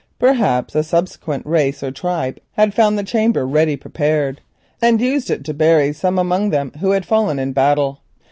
Perhaps a subsequent race or tribe had found the chamber ready prepared, and used it to bury some among them who had fallen in battle.